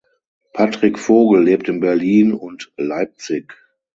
Patrick Vogel lebt in Berlin und Leipzig.